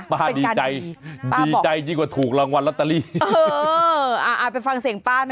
ป้าดีใจดีใจดีกว่าถูกรางวัลรัตตาลีอ่าไปฟังเสียงป้าหน่อยค่ะ